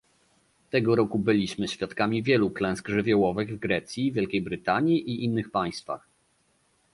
Tego roku byliśmy świadkami wielu klęsk żywiołowych w Grecji, Wielkiej Brytanii i innych państwach